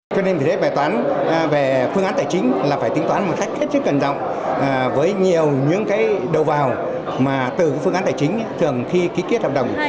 từ phương án tài chính thường khi ký kiết hợp đồng